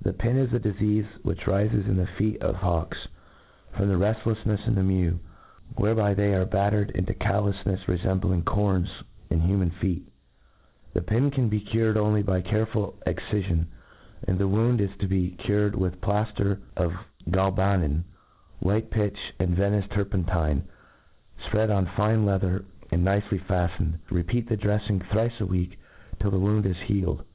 The pin is a difeaie which rifes in the feet of hawks, from their reftleflhcfs in the mew; where* by diey are bs^ttered into cdloufnefs refembling corns in human feet* The pin can be cure4 only / MODERN FAULCONKY ^ 255 6nly by careful excifion, and the wound is ta be cured with a plafter of galbanon, white' pitch^^ and Venice turpentine, fpread on fine leather, and nicely fattened. Repeat the drclfing thrice a week, till the wound is healed* 18.